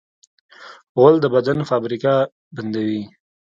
غول د بدن فابریکه بندوي.